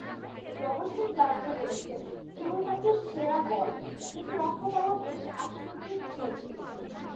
Robertson-Glasgow বলেছেন, কেবলমাত্র সেরা বল থেকে রক্ষা পাওয়া বেশ আশ্চর্যের বিষয় ছিল।